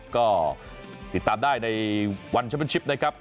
ก็ติดตามได้ในวันแชมเป็นชิปนะครับ